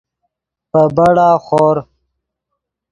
پے بڑا خور